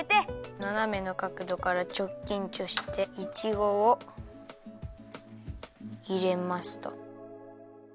ななめのかくどからちょっきんちょしていちごをいれますと。